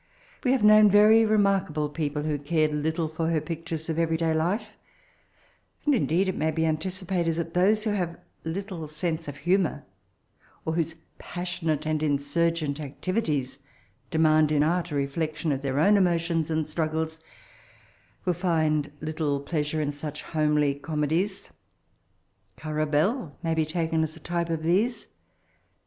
We have known very remarkable people who cared little for her pictures of every day life; and indeed it may be anticipated that those who have little sense of humour, or whose passionate and in surgent activities aemand in art a re> flection of their own emotions and struggles, will find little pleasure k such homely comedies. Ourrer Bell may be taken as a type of these.